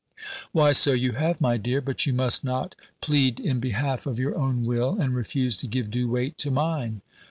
"Why, so you have, my dear. But you must not plead in behalf of your own will, and refuse to give due weight to mine."